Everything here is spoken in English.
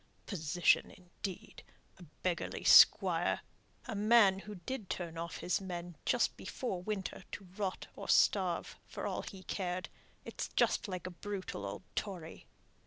Position indeed! a beggarly squire a man who did turn off his men just before winter, to rot or starve, for all he cared it's just like a brutal old Tory."